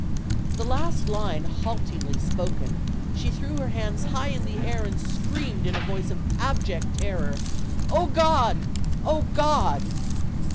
The last line haltingly spoken, she threw her hands high in air and screamed in a voice of abject terror: "Oh, God! Oh, God!"